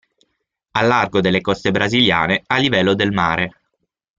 Al largo delle coste brasiliane, a livello del mare.